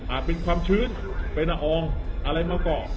เป็นความชื้นเป็นละอองอะไรมาก่อ